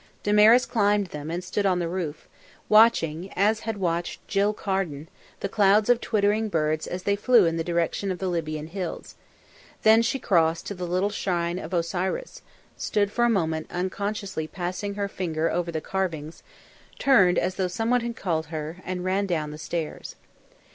Damaris climbed them, and stood on the roof, watching, as had watched Jill Carden, the clouds of twittering birds as they flew in the direction of the Libyan Hills; then she crossed to the little shrine of Osiris, stood for a moment unconsciously passing her finger over the carvings, turned as though someone had called her, and ran down the stairs.